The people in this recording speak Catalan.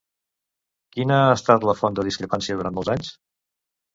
Quina ha estat la font de discrepància durant molts anys?